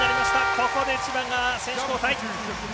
ここで千葉が選手交代。